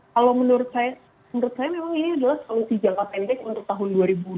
kalau menurut saya memang ini adalah solusi jangka pendek untuk tahun dua ribu dua puluh